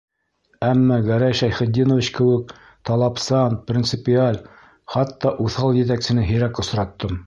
Әммә Гәрәй Шәйхетдинович кеүек... талапсан, принципиаль, хатта уҫал етәксене һирәк осраттым.